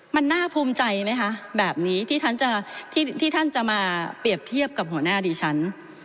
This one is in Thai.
มันน่าภูมิใจไหมคะแบบนี้ที่ท่านจะที่ท่านจะมาเปรียบเทียบกับหัวหน้าดิฉัน